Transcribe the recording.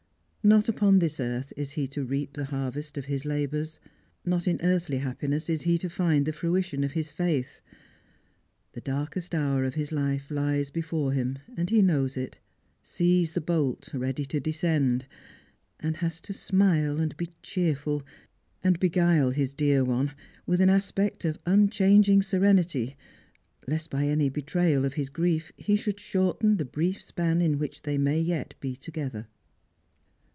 Not upon this earth is he to reap the harvest of his labours ; not in earthly happiness is he to find the fruition of his faith. The darkest hour of his life lies before him, and he knows it ; sees the bolt ready to descend, and has to smile and be cheerful, and be guile his dear one with an asjiect of unchanging serenity, lest by any betrayal of his grief he should shorten the brief span in which they may yet be together.